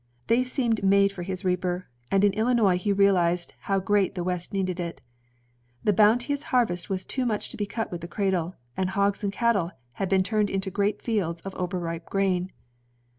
They seemed made for his reaper, and in Illinois he realized how greatly the West needed it. The bounteous harvest was too much to be cut with the cradle, and hogs and cattle had been turned into great fields of over ripe grain.